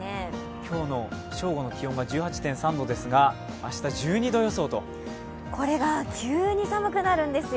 今日の正午の気温が１８．３度ですがこれが急に寒くなるんですよ。